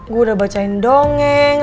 gue udah bacain dongeng